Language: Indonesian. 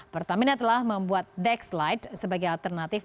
pertamina telah membuat dexlight sebagai alternatif